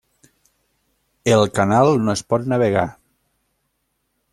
El canal no es pot navegar.